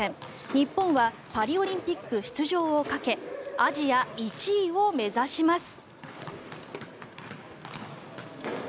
日本はパリオリンピック出場をかけアジア１位を目指します。